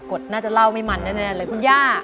ดน่าจะเล่าไม่มันแน่เลยคุณย่า